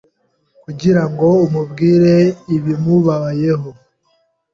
kugirango amubwire ibimubayeho.